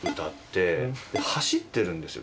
走ってるんですよ